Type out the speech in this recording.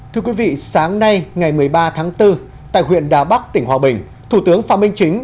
thưa quý vị sáng nay ngày một mươi ba tháng bốn tại huyện đà bắc tỉnh hòa bình thủ tướng phạm minh chính